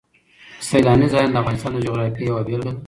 سیلاني ځایونه د افغانستان د جغرافیې یوه بېلګه ده.